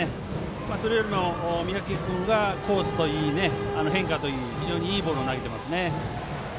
それよりも三宅君がコースといい非常にいいボールを投げてますね。